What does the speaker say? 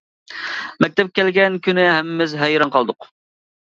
مەكتەپكە كەلگەن كۈنى ھەممىمىز ھەيران قالدۇق.